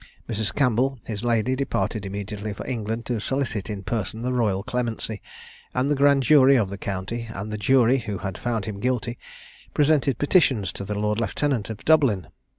Mrs. Campbell, his lady, departed immediately for England to solicit in person the royal clemency; and the grand jury of the county, and the jury who had found him guilty, presented petitions to the lord lieutenant of Dublin.